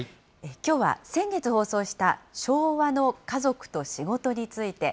きょうは先月放送した昭和の家族と仕事について。